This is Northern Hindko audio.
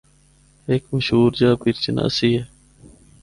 ہک مشہور جآ ’پیر چناسی‘ اے۔